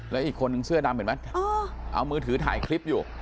แล้วอีกคนนึงเสื้อดำเห็นไหมเอามือถือถ่ายคลิปอยู่